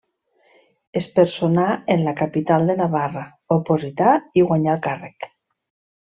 Es personà en la capital de Navarra, oposità i guanyà el càrrec.